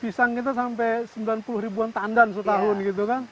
pisang kita sampai sembilan puluh ribuan tandan setahun gitu kan